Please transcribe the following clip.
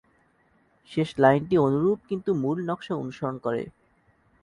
শেষ লাইনটি অনুরূপ কিন্তু মূল নকশা অনুসরণ করে।